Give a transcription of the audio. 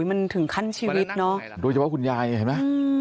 มันถึงขั้นชีวิตเนอะโดยเฉพาะคุณยายเห็นไหม